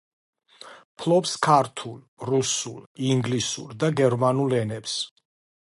ფლობს ქართულ, რუსულ, ინგლისურ და გერმანულ ენებს.